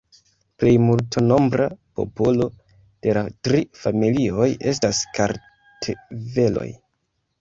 Plej multnombra popolo de la tri familioj estas kartveloj.